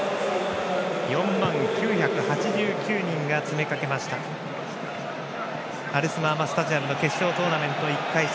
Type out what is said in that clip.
４万９８９人が詰め掛けましたアルスマーマスタジアムの決勝トーナメント１回戦